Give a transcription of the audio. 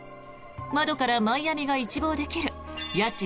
窓からマイアミが一望できる家賃